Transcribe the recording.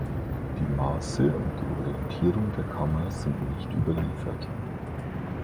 Die Maße und die Orientierung der Kammer sind nicht überliefert.